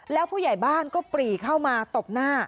แล้วผู้ใหญ่บ้านก็ปรีเข้ามาตบหน้า